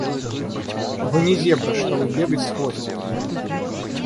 Вы не зебры, чтобы бегать с хвостиками.